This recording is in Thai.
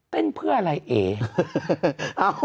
เต้นเพื่ออะไรเอ๊ะ